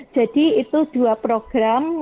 jadi itu dua program